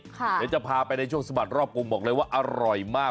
เดี๋ยวจะพาไปในช่วงสะบัดรอบกลุ่มบอกเลยว่าอร่อยมาก